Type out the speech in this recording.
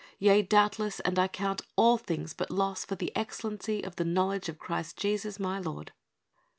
Yea doubtless, and I count all things but loss for the excellency of the knowledge of Christ Jesus my Lord."